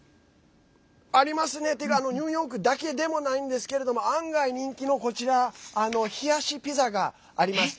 ありますね。というかニューヨークだけでもないんですけれども案外、人気のこちら冷やしピザがあります。